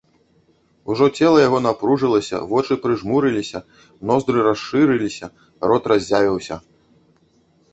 Ужо цела яго напружылася, вочы прыжмурыліся, ноздры расшырыліся, рот разявіўся.